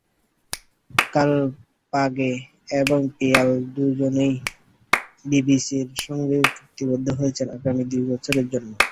কালপাগে এবং পিয়াল দুজনই বিসিবির সঙ্গে চুক্তিবদ্ধ হয়েছেন আগামী দুই বছরের জন্য।